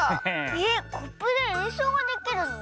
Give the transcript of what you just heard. えっコップでえんそうができるの？